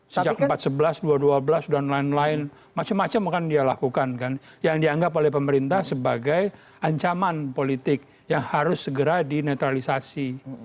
sejak empat sebelas dua ribu dua belas dan lain lain macam macam akan dia lakukan kan yang dianggap oleh pemerintah sebagai ancaman politik yang harus segera dinetralisasi